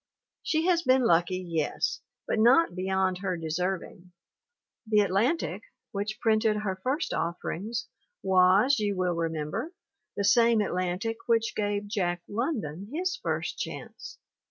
She has been lucky, yes, but not beyond her deserv ing. The Atlantic which printed her first offerings was, you will remember, the same Atlantic which gave Jack London his first chance.